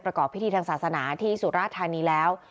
ประกอบพิธีทางศาสนาที่สุราธานีแล้ว